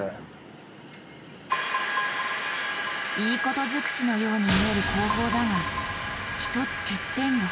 いいこと尽くしのように見える工法だが一つ欠点が。